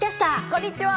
こんにちは！